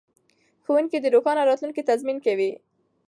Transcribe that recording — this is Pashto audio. ښوونکي د روښانه راتلونکي تضمین کوي.